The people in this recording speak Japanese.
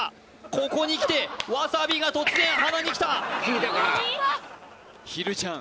ここにきてわさびが突然鼻にきたひるちゃん